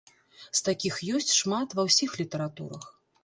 З такіх ёсць шмат ва ўсіх літаратурах.